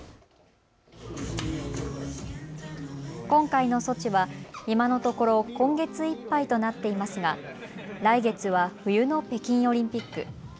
今回の措置は今のところ今月いっぱいとなっていますが来月は冬の北京オリンピック。